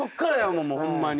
もうホンマに。